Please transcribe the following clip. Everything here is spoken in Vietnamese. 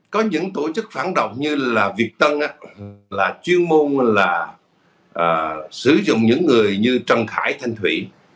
có những tổ chức phản động như là việt tân là chuyên môn là sử dụng những người như trần khải thanh thủy